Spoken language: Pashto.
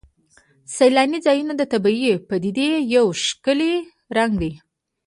سیلاني ځایونه د طبیعي پدیدو یو ښکلی رنګ دی.